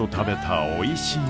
んおいしい！